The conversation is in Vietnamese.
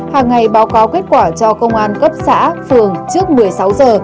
hàng ngày báo cáo kết quả cho công an cấp xã phường trước một mươi sáu giờ